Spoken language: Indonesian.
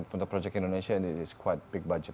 untuk proyek indonesia ini is quite big budget